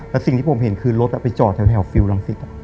แล้วสิ่งที่ผมเห็นคือรถไปจอดแถวฟิลลังศิษย์